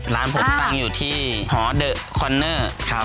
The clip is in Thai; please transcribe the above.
ร้านผมตั้งอยู่ที่หอเดอะคอนเนอร์